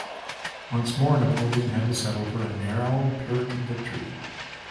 Once more Napoleon had to settle for a narrow, pyrrhic victory.